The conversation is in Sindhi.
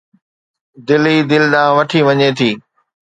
دل ئي دل ڏانهن وٺي وڃي ٿي